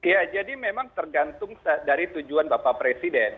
ya jadi memang tergantung dari tujuan bapak presiden